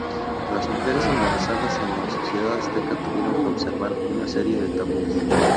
Las mujeres embarazadas en la sociedad azteca tuvieron que observar una serie de tabúes.